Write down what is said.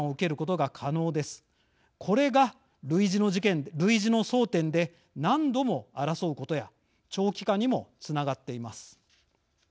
これが類似の争点で何度も争うことや長期化にもつながっています。